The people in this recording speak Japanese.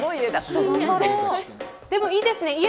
でもいいですね